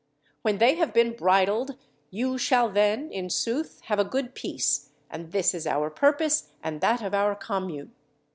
When they have been bridled you shall then, in sooth, have a good peace; and this is our purpose and that of our commune!